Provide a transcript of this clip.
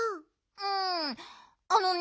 うんあのね